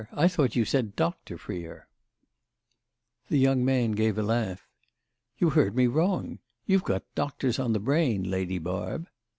I thought you said Doctor Freer." The young man gave a laugh. "You heard me wrong. You've got doctors on the brain, Lady Barb."